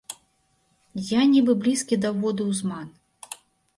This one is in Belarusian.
Я нібы блізкі да ўводу ў зман.